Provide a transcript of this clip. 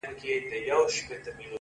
چي سترگي پټې کړې’ سالو په ځان تاو کړې’